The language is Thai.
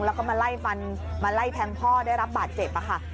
แล้วก็มาไล่ฟันมาไล่แทงพ่อได้รับบาดเจ็บค่ะ